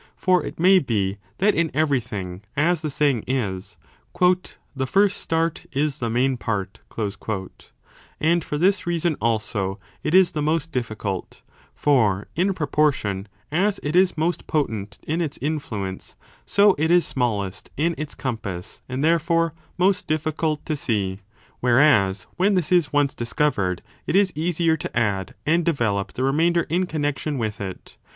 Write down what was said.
For it may be that in every thing, as the saying is, the first start is the main part : and for this reason also it is the most difficult ; for in propor tion as it is most potent in its influence, so it is smallest in 25 its compass and therefore most difficult to see : whereas when this is once discovered, it is easier to add and develop the remainder in connexion with it.